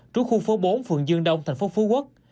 trú khu phố bốn phường dương đông tp phú quốc